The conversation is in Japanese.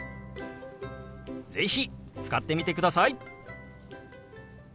是非使ってみてください！